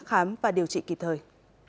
khám và điều trị kịp thời